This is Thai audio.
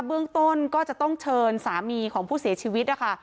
เบื้องต้นก็จะต้องเชิญสามีของผู้เสียชีวิตนะคะ